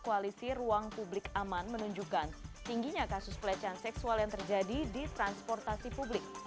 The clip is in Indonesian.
koalisi ruang publik aman menunjukkan tingginya kasus pelecehan seksual yang terjadi di transportasi publik